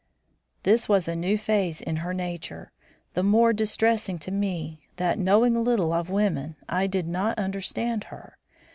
This was a new phase in her nature, the more distressing to me, that, knowing little of women, I did not understand her.